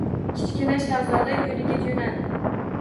Kichkina shahzoda yo‘liga jo‘nadi.